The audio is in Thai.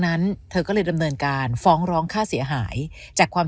นั้นเธอก็เลยดำเนินการฟ้องร้องค่าเสียหายจากความ